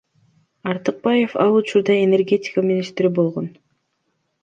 Артыкбаев ал учурда энергетика министри болгон.